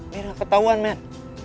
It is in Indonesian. nih gak ketahuan men